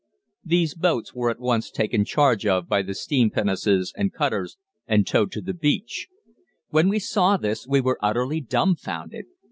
"These boats were at once taken charge of by steam pinnaces and cutters and towed to the beach. When we saw this we were utterly dumbfounded.